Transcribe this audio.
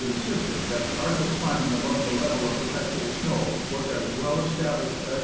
IX PREFACE insisted that the art of cHmbing above the level of perpetual snow was as well established as